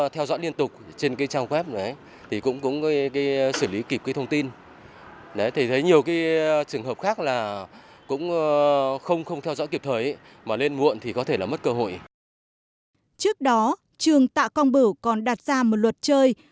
trước đó trường tạ quang bửu còn đặt ra một luật chơi